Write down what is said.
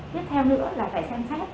tiếp theo nữa là phải xem xét